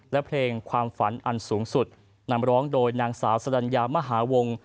และเพลงความฝันอันสูงสุดนำร้องโดยนางสาวสรรญามหาวง